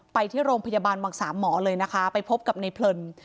ไปที่โรงพยาบาลวังสามหมอเลยนะคะไปพบกับในเพลิน